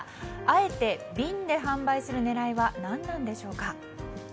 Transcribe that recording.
あえて瓶で販売する狙いは何なのでしょうか？